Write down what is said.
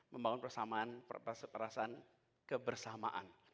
membangun perasaan kebersamaan